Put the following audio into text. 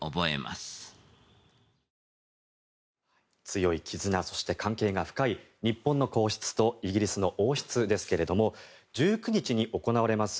強い絆そして関係が深い日本の皇室とイギリスの王室ですけれども１９日に行われます